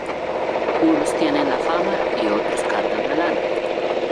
Unos tienen la fama y otros cardan la lana.